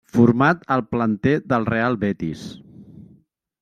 Format al planter del Real Betis.